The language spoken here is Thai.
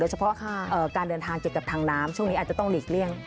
เฉพาะการเดินทางเกี่ยวกับทางน้ำช่วงนี้อาจจะต้องหลีกเลี่ยง